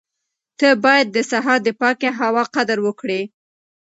ته باید د سهار د پاکې هوا قدر وکړې.